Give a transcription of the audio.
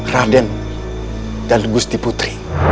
raden dan gusti putri